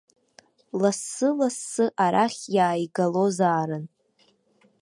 Лассы-лассы арахь иааигалозаарын.